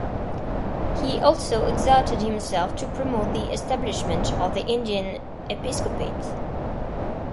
He also exerted himself to promote the establishment of the Indian episcopate.